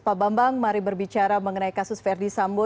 pak bambang mari berbicara mengenai kasus verdi sambo